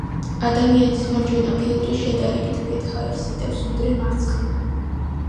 ადამიანის მარჯვენა ფილტვი შედარებით მეტ ჰაერს იტევს, ვიდრე მარცხენა